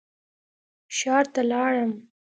ښار ته لاړم.